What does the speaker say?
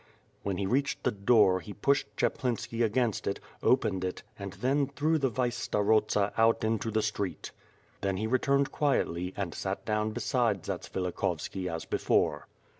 When he reached the door, he pushed Chaplinski against it, opened it, and then threw the vice starosta out into the street. Then he returned quietly and sat down beside Zatsvilik hovski as before.